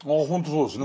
そうですね。